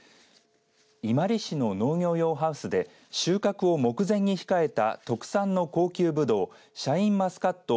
伊万里市の農業用ハウスで収穫を目前に控えた特産の高級ぶどうシャインマスカット